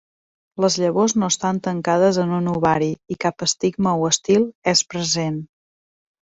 Les llavors no estan tancades en un ovari i cap estigma o estil és present.